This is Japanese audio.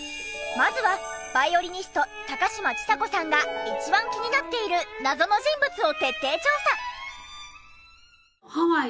まずはバイオリニスト高嶋ちさ子さんが一番気になっている謎の人物を徹底調査！